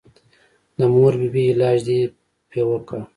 د مور بي بي علاج دې پې وکه.